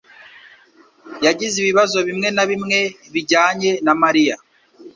yagize ibibazo bimwe na bimwe bijyanye na Mariya